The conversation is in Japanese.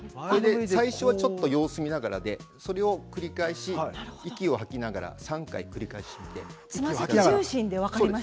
最初は様子を見ながらで繰り返し息を吐きながら３回繰り返します。